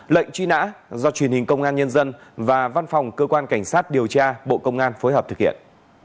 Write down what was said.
lệnh truy nã do truyền hình công an nhân dân và văn phòng cơ quan cảnh sát điều tra bộ công an phối hợp thực hiện